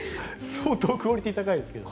相当クオリティー高いですけど。